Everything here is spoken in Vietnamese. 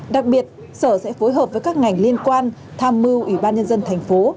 đặc biệt sở sẽ phối hợp với các ngành liên quan tham mưu ủy ban nhân dân thành phố